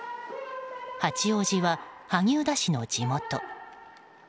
八王子は萩生田氏の地元。